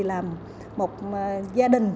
là một gia đình